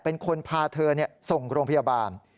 เป็นคนพาเธอส่งโรงพยาบาล